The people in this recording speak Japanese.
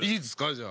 じゃあ。